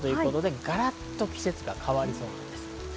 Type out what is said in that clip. がらっと季節が変わりそうです。